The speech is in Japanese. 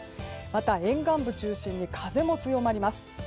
また、沿岸部中心に風も強まります。